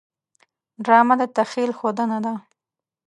ډرامه د تخیل ښودنه ده